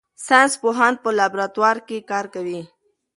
ساینس پوهان په لابراتوار کې کار کوي.